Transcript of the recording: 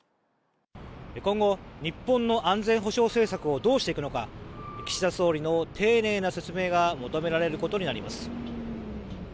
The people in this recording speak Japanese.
今後、日本の安全保障政策をどうしていくのか岸田総理の丁寧な説明が求められることになります。